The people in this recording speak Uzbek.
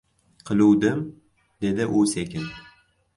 — Qiluvdim, — dedi u sekin.